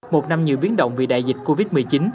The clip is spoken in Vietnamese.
một năm nhiều biến động vì đại dịch covid một mươi chín